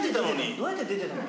どうやって出てたの？